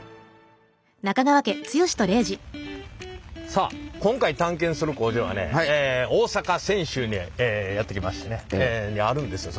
さあ今回探検する工場はねえ大阪・泉州にえやって来ましてねえあるんですよ。